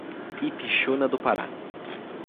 Ipixuna do Pará